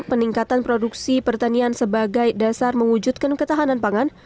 peningkatan produksi pertanian sebagai dasar mewujudkan ketahanan pangan